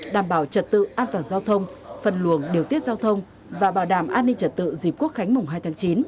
đảm bảo trật tự an toàn giao thông phân luồng điều tiết giao thông và bảo đảm an ninh trật tự dịp quốc khánh mùng hai tháng chín